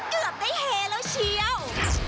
เกือบได้เฮแล้วเชียว